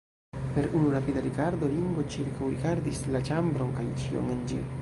Per unu rapida rigardo Ringo ĉirkaŭrigardis la ĉambron kaj ĉion en ĝi.